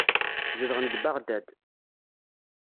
Zedɣen deg Beɣdad.